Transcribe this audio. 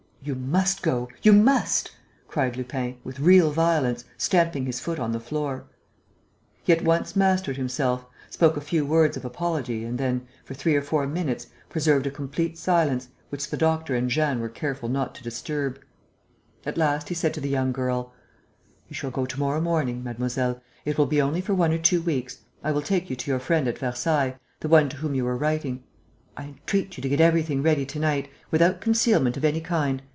"You must go, you must!" cried Lupin, with real violence, stamping his foot on the floor. He at once mastered himself, spoke a few words of apology and then, for three or four minutes, preserved a complete silence, which the doctor and Jeanne were careful not to disturb. At last, he said to the young girl: "You shall go to morrow morning, mademoiselle. It will be only for one or two weeks. I will take you to your friend at Versailles, the one to whom you were writing. I entreat you to get everything ready to night ... without concealment of any kind.